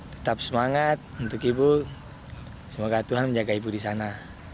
tetap semangat untuk ibu semoga tuhan menjaga ibu di sana